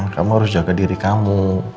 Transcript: kamu harus jaga diri kamu